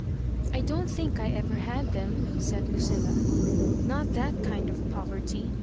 " I don*t think I ever had them," said Lucilla — "not that kind of poverty.